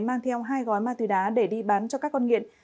mang theo hai gói ma túy đá để đi bán cho các con nghiện